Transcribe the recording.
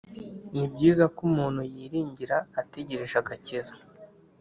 Ni byiza ko umuntu yiringira Ategereje agakiza